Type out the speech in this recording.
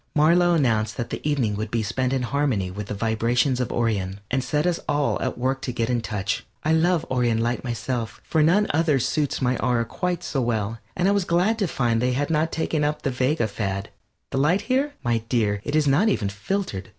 Marlow announced that the evening would be spent in harmony with the vibrations of Orion, and set us all at work to get in touch. I love Orion light myself, for none other suits my aura quite so well, and I was glad to find they had not taken up the Vega fad. The light here? My dear, it is not even filtered.